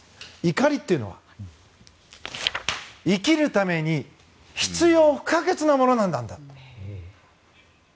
怒りというのは生きるために必要不可欠なものなんだ。